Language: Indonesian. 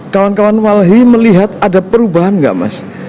kawan kawan walhi melihat ada perubahan nggak mas